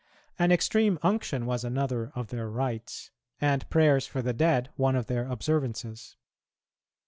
An extreme unction was another of their rites, and prayers for the dead one of their observances.